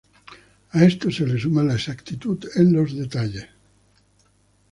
A esto se le suma la exactitud en los detalles.